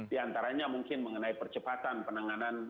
di antaranya mungkin mengenai percepatan penanganan